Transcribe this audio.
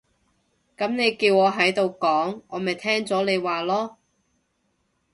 噉你叫我喺度講，我咪聽咗你話囉